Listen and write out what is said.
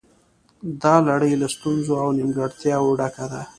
دا لړۍ له ستونزو او نیمګړتیاوو ډکه ده